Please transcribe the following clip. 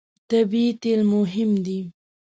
طبیعي تېل مهم دي.